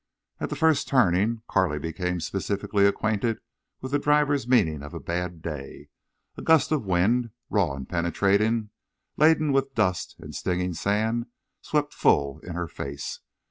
At the first turning Carley became specifically acquainted with the driver's meaning of a bad day. A gust of wind, raw and penetrating, laden with dust and stinging sand, swept full in her face.